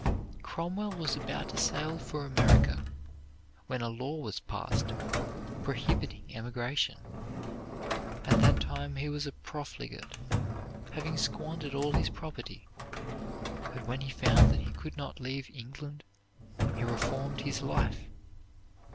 Cromwell was about to sail for America when a law was passed prohibiting emigration. At that time he was a profligate, having squandered all his property. But when he found that he could not leave England he reformed his life.